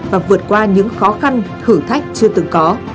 và vượt qua những khó khăn thử thách chưa từng có